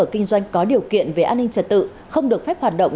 cơ sở kinh doanh có điều kiện về an ninh trật tự không được phép hoạt động